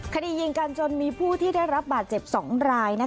ยิงกันจนมีผู้ที่ได้รับบาดเจ็บ๒ราย